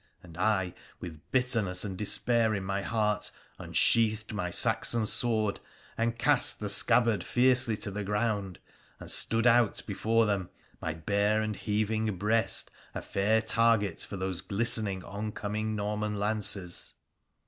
And I — with bitterness and despair in my heart — unsheathed my Saxon sword and cast the scabbard fiercely to the ground, and stood out before them — my bare and heaving breast a fair target for those glistening oncoming Norman lances